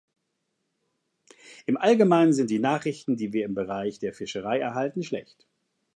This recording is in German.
Im allgemeinen sind die Nachrichten, die wir im Bereich der Fischerei erhalten, schlecht.